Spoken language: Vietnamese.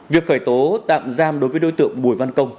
việc khởi tố tạm giam đối với đối tượng bùi văn công